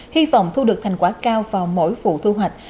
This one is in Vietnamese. hy vọng thu được thành quả cao vào mỗi vụ thu hoạch